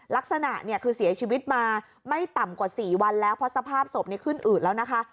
ลักษณะเนี่ยคือเสียชีวิตมาไม่ต่ำกว่า๔วันแล้วเพราะสภาพศพขึ้นอืดแล้วนะคะ